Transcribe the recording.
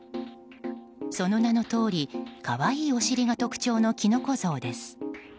その名のとおり可愛いお尻が特徴のキノコ像です。